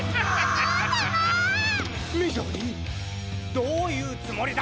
どういうつもりだ！？